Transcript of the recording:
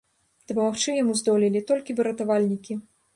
Дапамагчы яму здолелі толькі выратавальнікі.